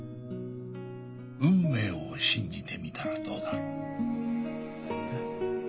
運命を信じてみたらどうだろう。え？